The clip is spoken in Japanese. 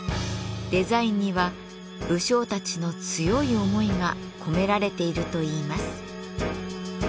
デザインには武将たちの強い思いが込められているといいます。